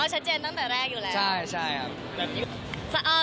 เราชัดเจนตั้งแต่แรกอยู่แล้วนะครับใช่ครับ